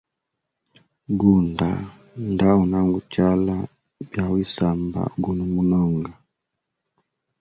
Gunda nda unanguchala bya wisamba guno munonga.